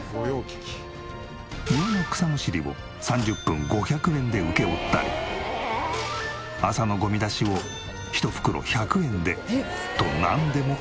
庭の草むしりを３０分５００円で請け負ったり朝のゴミ出しを１袋１００円でとなんでもこなす。